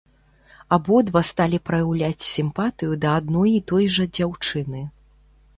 Абодва сталі праяўляць сімпатыю да адной і той жа дзяўчыны.